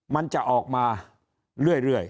มันจะออกมาเรื่อย